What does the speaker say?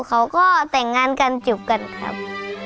เขาก็แต่งงานกันจบกันครับ